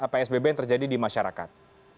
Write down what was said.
psbb yang terjadi di masyarakat